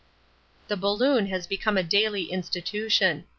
The balloon has become a daily institution.